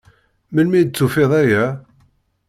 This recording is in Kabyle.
Melmi i d-tufiḍ aya?